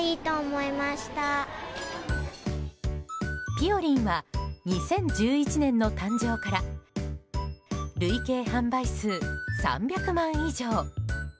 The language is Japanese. ぴよりんは２０１１年の誕生から累計販売数３００万以上。